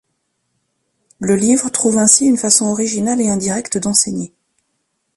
Le livre trouve ainsi une façon originale et indirecte d'enseigner.